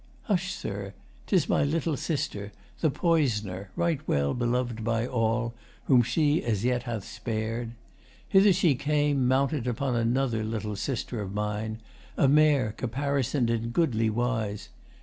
Hush, Sir! 'Tis my little sister The poisoner, right well belov'd by all Whom she as yet hath spared. Hither she came Mounted upon another little sister of mine A mare, caparison'd in goodly wise.